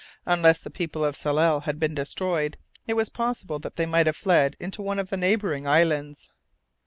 Unless the people of Tsalal had been destroyed, it was possible that they might have fled into one of the neighbouring islands.